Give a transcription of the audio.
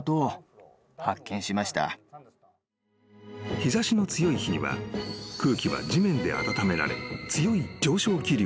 ［日差しの強い日には空気は地面で暖められ強い上昇気流となる］